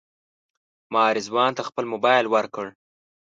ما رضوان ته خپل موبایل ورکړ.